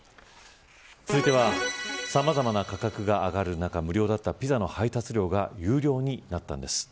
続いては、さまざまな価格が上がる中、無料だったピザの配達料が有料になったんです。